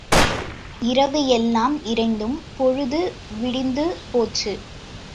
இரவு எல்லாம் இறைத்தும் பொழுது விடிந்து போச்சு.